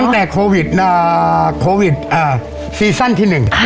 เป็นโควิดซีซั่นที่๑